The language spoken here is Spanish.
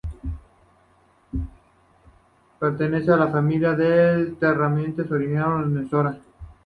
Pertenecía a una familia de terratenientes originarios de Sora.